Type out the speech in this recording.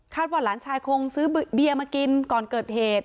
ว่าหลานชายคงซื้อเบียร์มากินก่อนเกิดเหตุ